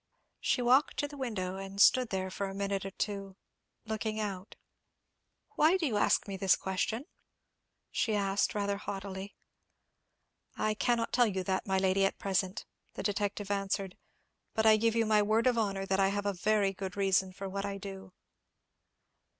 She walked to the window, and stood there for a minute or so, looking out. "Why do you ask me this question?" she asked, rather haughtily. "I cannot tell you that, my lady, at present," the detective answered; "but I give you my word of honour that I have a very good reason for what I do."